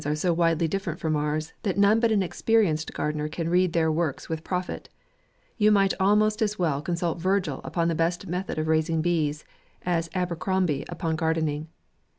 '» are so widely different from ours, that none but an experienced gardener can read their works with profit. You might almost as well consult Virgil upon the best method of raising bees, as Abercrombie upon garden ing.